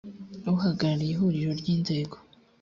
uhagarariye ihuriro ry inzego